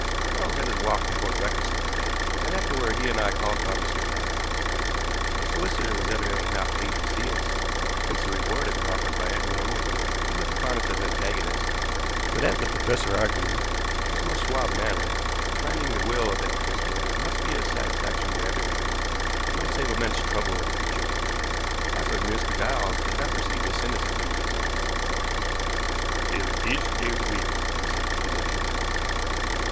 Quarles had his walk before breakfast next day, and afterward he and I called upon Mr. Giles. The solicitor was evidently not pleased to see us. Since the reward had been offered by Edward Oglethorpe he looked upon us as antagonists; but as the professor argued, in his most suave manner, the finding of the will, if it existed, must be a satisfaction to everybody, and might save immense trouble in the future. Possibly Mr. Giles did not perceive the cynicism in this argument. "There is no will," he said with conviction.